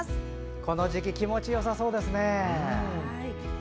この時期気持ちよさそうですね。